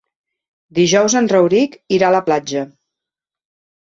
Dijous en Rauric irà a la platja.